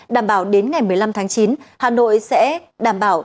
đảm bảo đến ngày một mươi năm tháng chín hà nội sẽ đảm bảo